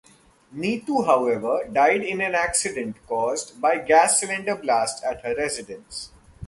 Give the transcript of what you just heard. Neetu however died in an accident caused by gas cylinder blast at her residence.